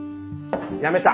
やめた。